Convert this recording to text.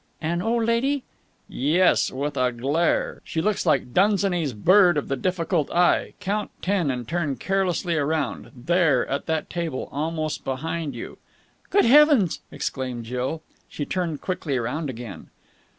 "An old lady?" "Yes. With a glare! She looks like Dunsany's Bird of the Difficult Eye. Count ten and turn carelessly round, There, at that table. Almost behind you." "Good Heavens!" exclaimed Jill. She turned quickly round again.